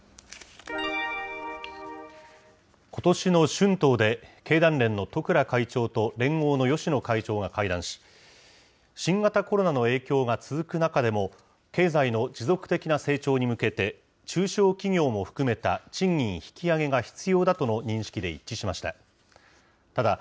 ことしの春闘で経団連の十倉会長と連合の芳野会長が会談し、新型コロナの影響が続く中でも、経済の持続的な成長に向けて、中小企業も含めた賃金引き上げが必要だとの認識で一致しました。